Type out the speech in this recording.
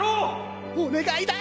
お願いだ！